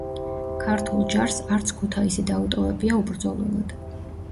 ქართულ ჯარს არც ქუთაისი დაუტოვებია უბრძოლველად.